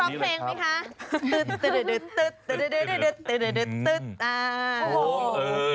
ร้องเพลงไหมคะ